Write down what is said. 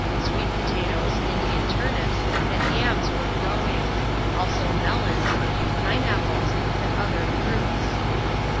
Sweet potatoes, Indian turnips, and yams were growing ; also mellons, a few pine apples, and other fruits.